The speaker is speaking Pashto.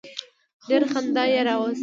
ډېره خندا یې راوسته.